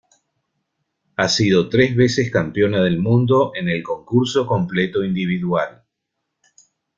Ha sido tres veces campeona del mundo en el concurso completo individual.